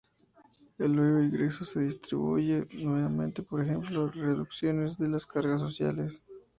El nuevo ingreso se redistribuye nuevamente, por ejemplo, reducciones de las cargas sociales.